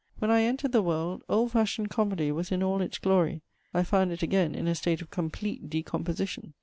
When I entered the world, old fashioned comedy was in all its glory; I found it again in a state of complete decomposition.